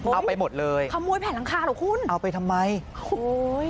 เอาไปหมดเลยขโมยแผ่นหลังคาเหรอคุณเอาไปทำไมโอ้โห